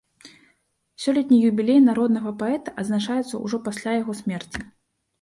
Сёлетні юбілей народнага паэта адзначаецца ўжо пасля яго смерці.